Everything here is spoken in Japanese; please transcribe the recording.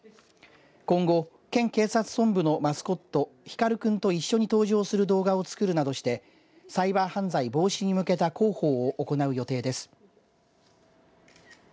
今後、県警察本部のマスコットひかるくんと一緒に登場する動画を作るなどしてサイバー犯罪防止に向けた広報を行う予定です。